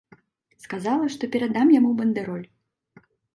Сказала, што перадам яму бандэроль!